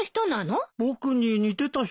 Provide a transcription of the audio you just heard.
僕に似てた人？